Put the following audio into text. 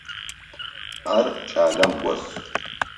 Ар кӏалэм гос.